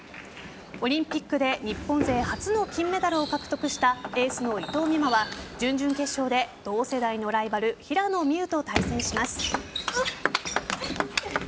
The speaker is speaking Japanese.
オリンピックで日本勢初の金メダルを獲得したエースの伊藤美誠は準々決勝で同世代のライバル平野美宇と対戦します。